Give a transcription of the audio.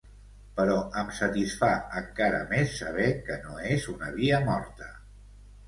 Però em satisfà encara més saber que no és una via morta.